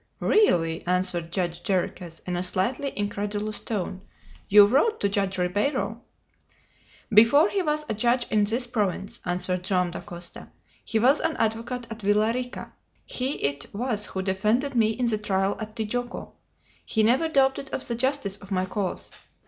"Really!" answered Judge Jarriquez, in a slightly incredulous tone. "You wrote to Judge Ribeiro." "Before he was a judge in this province," answered Joam Dacosta, "he was an advocate at Villa Rica. He it was who defended me in the trial at Tijuco. He never doubted of the justice of my cause.